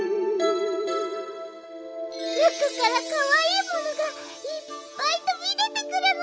なかからかわいいものがいっぱいとびでてくるの！